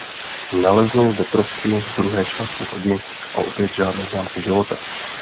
Naleznou zde trosky druhé části lodi a opět žádné známky života.